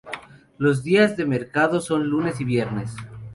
Los días de mercado son lunes y viernes.